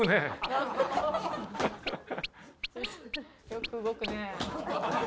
よく動くね。